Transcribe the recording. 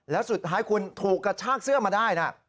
แล้วสุดท้ายคุณถูกกระชากเสื้อมาได้นะ